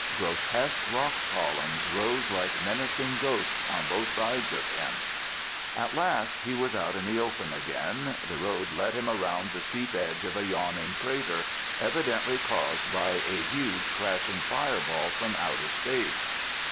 Grotesque rock columns rose like menacing ghosts on both sides of him. At last he was out in the open again. The road led him around the steep ledge of a yawning crater, evidently caused by a huge crashing fireball from outer space.